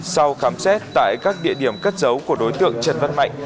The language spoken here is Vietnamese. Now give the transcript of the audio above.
sau khám xét tại các địa điểm cất giấu của đối tượng trần văn mạnh